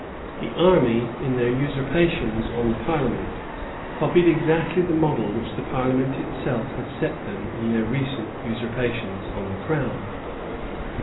The army, in their usurpations on the parliament, copied exactly the model which the parliament itself had set them in their recent usurpations on the crown.